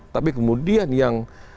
tapi kemudian yang